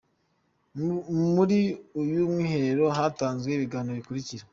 Muri uyu mwiherero hatanzwe ibiganiro bikurikira:.